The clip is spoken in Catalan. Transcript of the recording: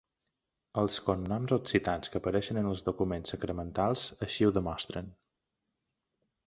Els cognoms occitans que apareixen en els documents sacramentals així ho demostren.